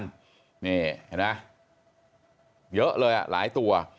นี่เห็นไหมเยอะเลยอ่ะหลายตัว